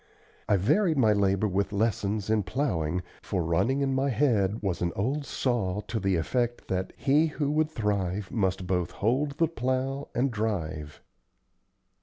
I varied my labor with lessons in plowing, for running in my head was an "old saw" to the effect that "he who would thrive must both hold the plow and drive."